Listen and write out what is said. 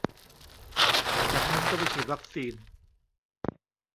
จากนั้นก็ไปฉีดวัคซีน